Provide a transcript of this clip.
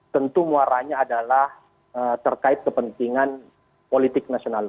tentu muaranya adalah terkait kepentingan politik nasional